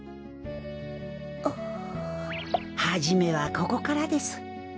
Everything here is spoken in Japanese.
はじめはここからです。